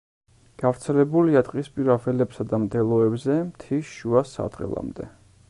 გავრცელებულია ტყისპირა ველებსა და მდელოებზე მთის შუა სარტყელამდე.